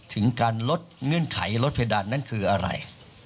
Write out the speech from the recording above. ถึงการลดเงื่อนไขลดเพดานนั้นคืออะไร